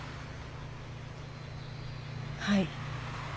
はい。